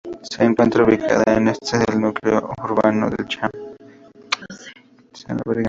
Se encuentra ubicada en el este del núcleo urbano de Cham.